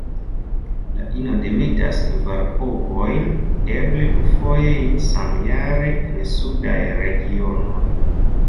La ino demetas kvar ovojn; eble dufoje samjare en sudaj regionoj.